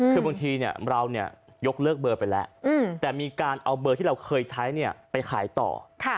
คือบางทีเรายกเลิกเบอร์ไปแล้วแต่มีการเอาเบอร์ที่เราเคยใช้ไปขายต่อ